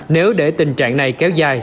nếu để tình trạng này kéo dài